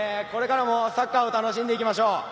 これからもサッカーを楽しんでいきましょう。